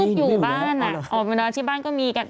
อยู่บ้านออกมานอนที่บ้านก็มีกัน